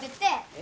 え？